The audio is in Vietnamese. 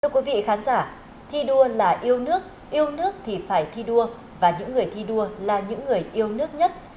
thưa quý vị khán giả thi đua là yêu nước yêu nước thì phải thi đua và những người thi đua là những người yêu nước nhất